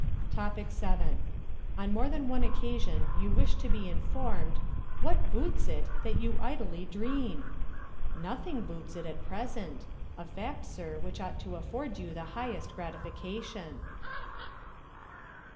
Topic VII. On more than one occasion you wish to be informed, "What boots it, that you idly dream?" Nothing boots it at present a fact, sir, which ought to afford you the highest gratification.